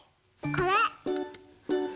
これ！